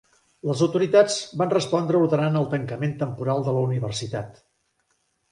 Les autoritats van respondre ordenant el tancament temporal de la universitat.